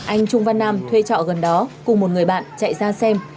anh trung văn nam thuê trọ gần đó cùng một người bạn chạy ra xem